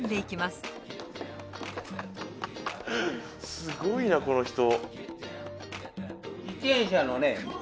すごいなこの人。